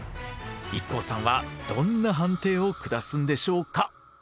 ＩＫＫＯさんはどんな判定を下すんでしょうか？